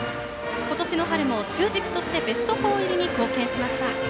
今年の春も中軸としてベスト４入りに貢献しました。